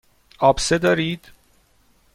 آبسه دارید.